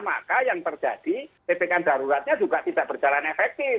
maka yang terjadi ppkm daruratnya juga tidak berjalan efektif